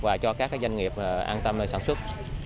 và cho các doanh nghiệp an tâm sản xuất